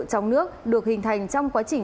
trong nước được hình thành trong quá trình